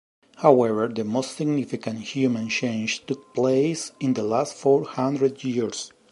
However, the most significant human changes took place in the last four hundred years.